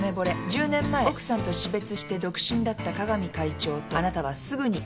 １０年前奥さんと死別して独身だった加々美会長とあなたはすぐに意気投合。